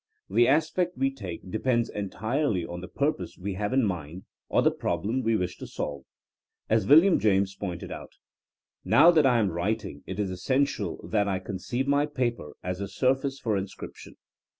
The aspect we take depends entirely on the purpose we have in mind or the problem we wish to solve. As William James pointed out : *^Now that I am writing it is essential that I conceive my paper as a surface for inscrip tion.